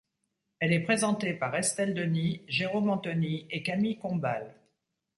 Elle est présentée par Estelle Denis, Jérôme Anthony et Camille Combal.